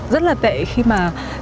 rất là tệ khi mà